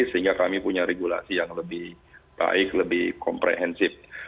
sehingga kami punya regulasi yang lebih baik lebih komprehensif